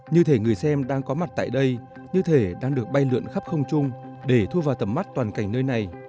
như thể người xem đang có mặt tại đây như thể đang được bay lượn khắp không trung để thu vào tầm mắt toàn cảnh nơi này